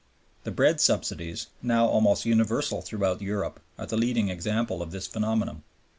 The bread subsidies, now almost universal throughout Europe, are the leading example of this phenomenon.